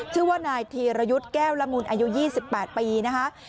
ชื่อว่านายธีรยุทธ์แก้วละมุนอายุ๒๘ปีนะคะ